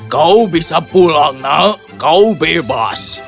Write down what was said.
kau bisa pulang nak kau bebas